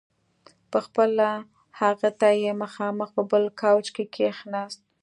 په خپله هغې ته مخامخ په بل کاوچ کې کښېناست.